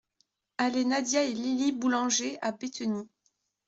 Allée Nadia et Lili Boulanger à Bétheny